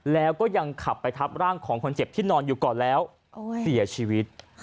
แล้วก็ยังขับไปทับร่างของคนเจ็บที่นอนอยู่ก่อนแล้วเสียชีวิต